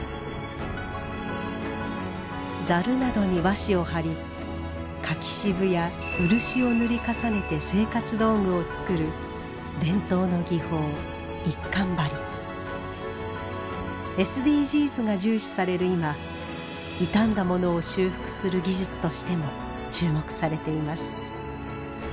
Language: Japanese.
ざるなどに和紙を貼り柿渋や漆を塗り重ねて生活道具を作る伝統の技法ＳＤＧｓが重視される今傷んだモノを修復する技術としても注目されています。